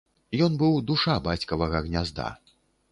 Ён быў душа бацькавага гнязда.